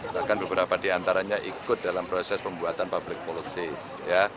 bahkan beberapa diantaranya ikut dalam proses pembuatan public policy